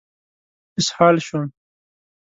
اسهال شوم.